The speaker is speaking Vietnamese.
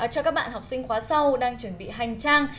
cho các bạn học sinh khóa sau đang chuẩn bị hành trang